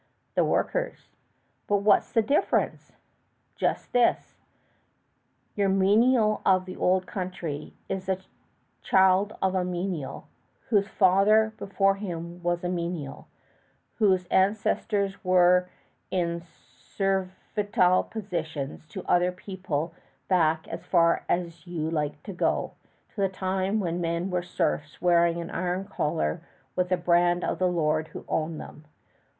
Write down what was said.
"The workers." "But what's the difference?" "Just this: your menial of the Old Country is the child of a menial, whose father before him was a menial, whose ancestors were in servile positions to other people back as far as you like to go, to the time when men were serfs wearing an iron collar with the brand of the lord who owned them.